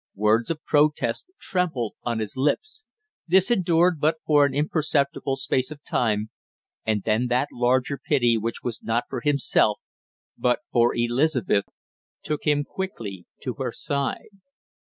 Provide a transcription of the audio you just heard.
Words of protest trembled on his lips. This endured but for an imperceptible space of time, and then that larger pity which was not for himself but for Elizabeth, took him quickly to her side.